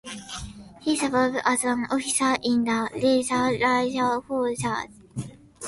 He served as an officer in the Israel Defense Forces.